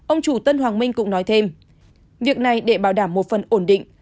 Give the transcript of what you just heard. ông chủ tân hoàng minh cũng nói thêm việc này để bảo đảm một phần ổn định